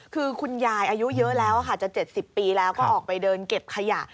คือคุณยายอายุเยอะแล้วค่ะจะ๗๐ปีแล้วก็ออกไปเดินเก็บขยะ